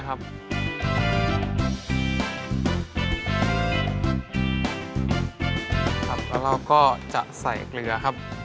กะเอาแล้วก็จะใส่เกลือครับ